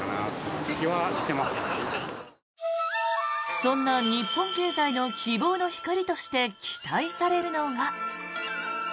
そんな日本経済の希望の光として期待されるのが。